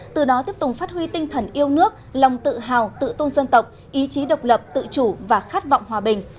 từ đó tiếp tục phát huy tinh thần yêu nước lòng tự hào tự tôn dân tộc ý chí độc lập tự chủ và khát vọng hòa bình